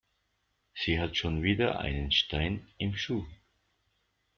Sie hat schon wieder einen Stein im Schuh.